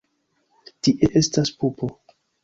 Tie estas pupo.